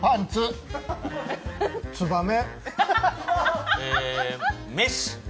ツバメ。